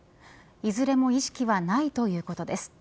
いずれも意識はないということです。